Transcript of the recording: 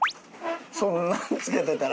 そんなん着けてたら。